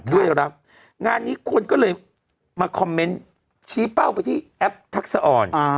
ด้วยรักงานนี้คนก็เลยมาคอมเมนต์ชี้เป้าไปที่แอปทักษะอ่อน